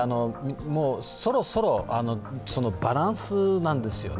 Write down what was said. そろそろ、バランスなんですよね